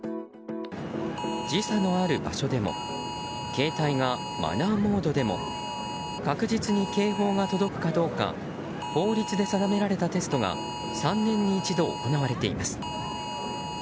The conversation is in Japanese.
時差のある場所でも携帯がマナーモードでも確実に警報が届くかどうか法律で定められたテストが３年に一度、行われています。